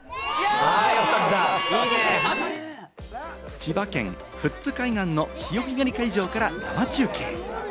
千葉県富津海岸の潮干狩り会場から生中継。